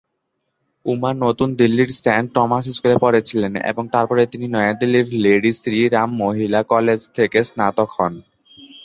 উমা নতুন দিল্লির Saint Thomas স্কুলে পড়েছিলেন এবং তারপরে তিনি নয়াদিল্লির লেডি শ্রী রাম মহিলা কলেজ থেকে স্নাতক হন।